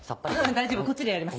大丈夫こっちでやります。